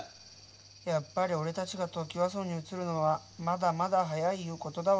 やっぱり俺たちがトキワ荘に移るのはまだまだ早いいうことだわ。